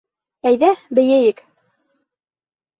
Әйҙә, бейейек!